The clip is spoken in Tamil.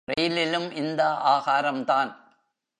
ரெயிலிலும் இந்த ஆகாரம்தான்.